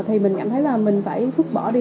thì mình cảm thấy là mình phải vứt bỏ đi